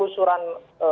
itu yang pertama